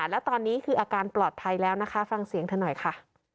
แล้วตอนนี้คืออาการปลอดภัยแล้วนะคะฟังเสียงเธอหน่อยค่ะ